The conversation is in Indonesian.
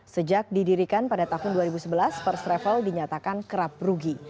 sejak didirikan pada tahun dua ribu sebelas first travel dinyatakan kerap rugi